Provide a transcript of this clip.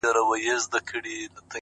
دا خپله وم!